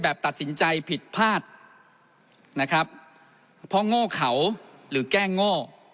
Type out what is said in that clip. ตัดสินใจผิดพลาดนะครับเพราะโง่เขาหรือแก้โง่